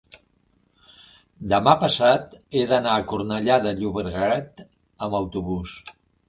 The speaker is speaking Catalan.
demà passat he d'anar a Cornellà de Llobregat amb autobús.